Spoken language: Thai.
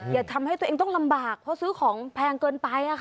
อย่าทำให้ตัวเองต้องลำบากเพราะซื้อของแพงเกินไป